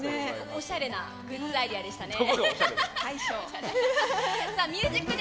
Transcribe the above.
おしゃれなグッズアイデアでしたね。